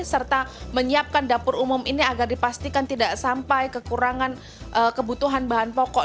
serta menyiapkan dapur umum ini agar dipastikan tidak sampai kekurangan kebutuhan bahan pokok